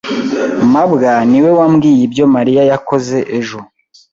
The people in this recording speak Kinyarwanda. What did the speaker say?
mabwa niwe wambwiye ibyo Mariya yakoze ejo.